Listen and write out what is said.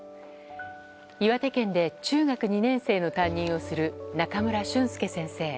岩手県で中学２年生の担任をする中村俊介先生。